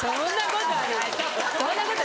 そんなこと！